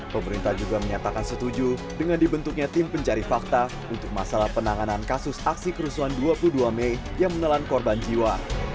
pemerintah juga menyatakan setuju dengan dibentuknya tim pencari fakta untuk masalah penanganan kasus aksi kerusuhan dua puluh dua mei yang menelan korban jiwa